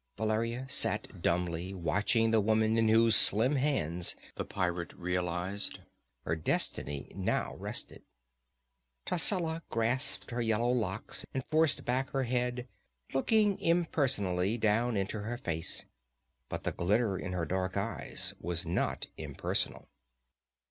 Valeria sat dumbly, watching the woman in whose slim hands, the pirate realized, her destiny now rested. Tascela grasped her yellow locks and forced back her head, looking impersonally down into her face. But the glitter in her dark eyes was not impersonal.